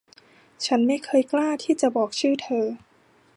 ฉันไม่เคยกล้าที่จะบอกชื่อเธอ